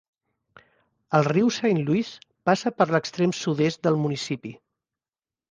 El riu Saint Louis passa per l'extrem sud-est del municipi.